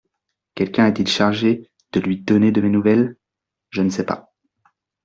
Quelqu'un est-il chargé de lui donner de mes nouvelles ? Je ne sais pas.